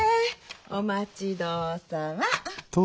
お待ち遠さま！